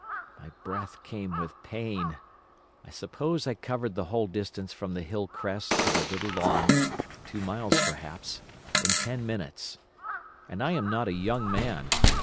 My breath came with pain. I suppose I covered the whole distance from the hill crest to the little lawn, two miles perhaps, in ten minutes. And I am not a young man.